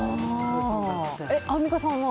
アンミカさんは？